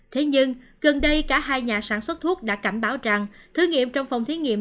thế nhưng gần đây cả hai nhà sản xuất thuốc đã cảnh báo rằng thử nghiệm trong phòng thí nghiệm